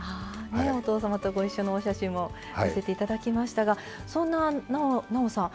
お父様とご一緒のお写真も見せていただきましたがそんななおさん